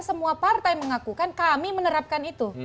semua partai mengakukan kami menerapkan itu